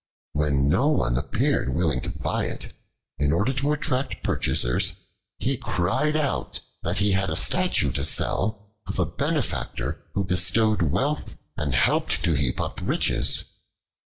When no one appeared willing to buy it, in order to attract purchasers, he cried out that he had the statue to sell of a benefactor who bestowed wealth and helped to heap up riches.